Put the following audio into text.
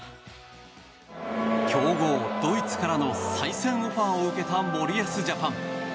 強豪ドイツからの再戦オファーを受けた森保ジャパン。